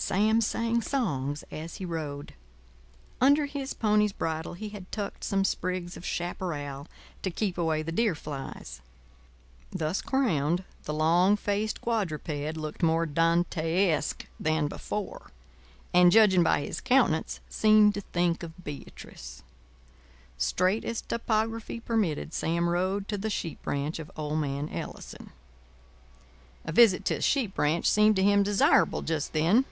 Sam sang songs as he rode. Under his pony's bridle he had tucked some sprigs of chaparral to keep away the deer flies. Thus crowned, the long faced quadruped looked more Dantesque than before, and, judging by his countenance, seemed to think of Beatrice. Straight as topography permitted, Sam rode to the sheep ranch of old man Ellison. A visit to a sheep ranch seemed to him desirable just then.